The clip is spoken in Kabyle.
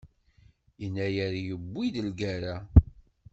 Yennayer yuwi-d lgerra.